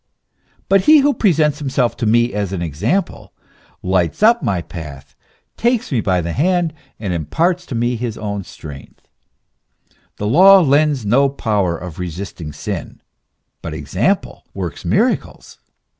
But he who presents himself to me as an ex THE MYSTERY OF THE CHRISTIAN CHRIST. ample, lights up my path, takes me by the hand, and imparts to me his own strength. The law lends no power of resisting sin, hut example works miracles.